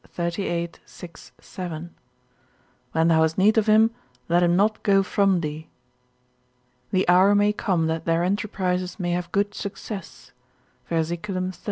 xxxviii. 6. 7. when thou hast need of him, let him not go from thee. The hour may come that their enterprises may have good success, ver. 13.